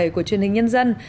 của truyền hình nhân dân